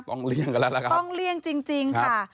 เลี่ยงกันแล้วละกันต้องเลี่ยงจริงค่ะ